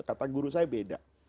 kata guru saya beda